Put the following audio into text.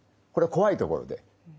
これは怖いところで。